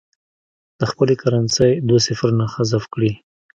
د خپلې کرنسۍ دوه صفرونه حذف کړي.